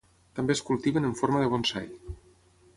També es cultiven en forma de bonsai.